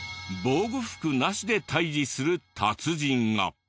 防護服なしで退治する達人が。